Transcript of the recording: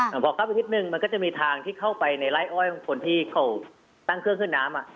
ขอบคุณครับอีกทิศนึงมันก็จะมีทางที่เข้าไปในไร้อ้อยของคนที่เขาตั้งเครื่องเครื่อนน้ำอ่ะ